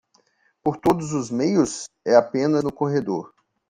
Por todos os meios? é apenas no corredor.